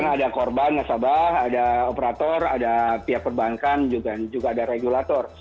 ada korban nasabah ada operator ada pihak perbankan juga ada regulator